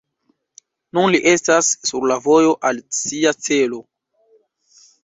Nun li estas sur la vojo al sia celo.